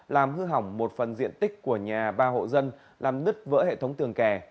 làm hư hỏng một phần diện tích của nhà ba hộ dân làm nứt vỡ hệ thống tường kè